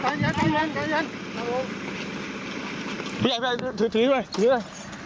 ใจเย็นใจเย็นใจเย็นพี่ไอ้พี่ไอ้ถือถือด้วยถือด้วย